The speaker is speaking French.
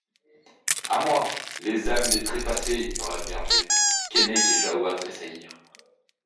A moi ! les âmes des Trépassés ! hurla le berger, Keinec et Jahoua tressaillirent.